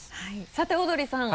さてオードリーさん。